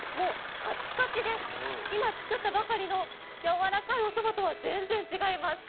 かっちかちです、今作ったばかりの柔らかいおそばとは全然違います。